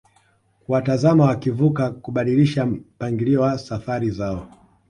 kuwatazama wakivuka kubadilisha mpangilio wa safari zao